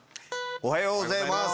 おはようございます。